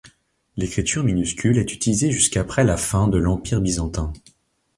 L'écriture minuscule est utilisée jusqu'après la fin de l'Empire byzantin.